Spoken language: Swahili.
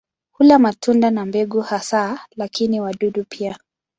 Hula matunda na mbegu hasa lakini wadudu pia.